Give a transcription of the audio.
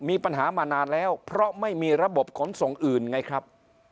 มีปัญหามานานแล้วเพราะไม่มีระบบขนส่งอื่นไงครับ